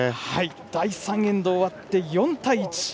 第３エンド終わって４対１。